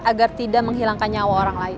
agar tidak menghilangkan nyawa orang lain